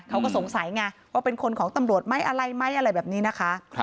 เขาก็สงสัยไงว่าเป็นคนของตำรวจไหมอะไรไหมอะไรแบบนี้นะคะ